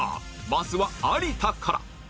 まずは有田から